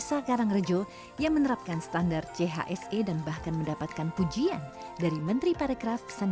saya punya format memanfaat penginapan